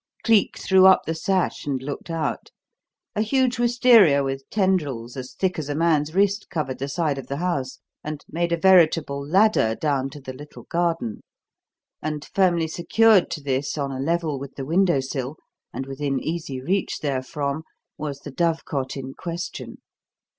Cleek threw up the sash and looked out. A huge wistaria with tendrils as thick as a man's wrist covered the side of the house, and made a veritable ladder down to the little garden; and, firmly secured to this, on a level with the window sill and within easy reach therefrom, was the dovecote in question.